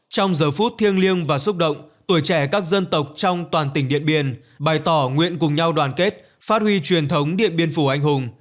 trong giờ phút thiêng liêng và xúc động tuổi trẻ các dân tộc trong toàn tỉnh điện biên bày tỏ nguyện cùng nhau đoàn kết phát huy truyền thống điện biên phủ anh hùng